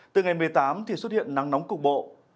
từ ngày một mươi tám thì xuất hiện nắng nóng cục bộ